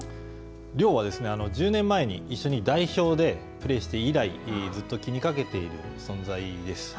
亮はですね、１０年前に一緒に代表でプレーして以来、ずっと気にかけている存在です。